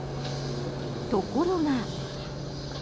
ところが。